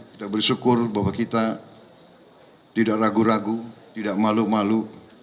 kita bersyukur bahwa kita tidak ragu ragu tidak malu malu